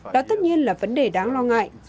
đó tất nhiên là vấn đề đáng lo ngại